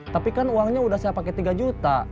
tapi kan uangnya sudah saya pakai tiga juta